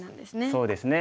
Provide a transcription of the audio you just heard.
そうですね。